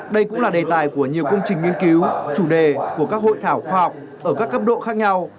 đây cũng là đề tài của nhiều công trình nghiên cứu chủ đề của các hội thảo khoa học ở các cấp độ khác nhau